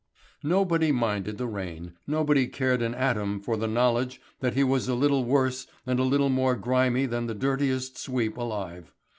Nobody minded the rain, nobody cared an atom for the knowledge that he was a little worse and a little more grimy than the dirtiest sweep alive.